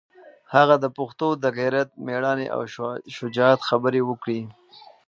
هغه د پښتنو د غیرت، مېړانې او شجاعت خبرې وکړې.